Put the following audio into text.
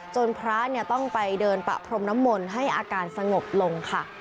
พระต้องไปเดินปะพรมน้ำมนต์ให้อาการสงบลงค่ะ